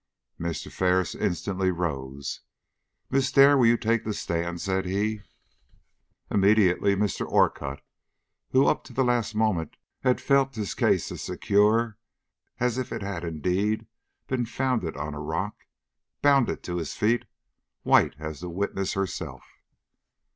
Mr. Ferris instantly rose. "Miss Dare, will you retake the stand," said he. Immediately Mr. Orcutt, who up to the last moment had felt his case as secure as if it had indeed been founded on a rock, bounded to his feet, white as the witness herself.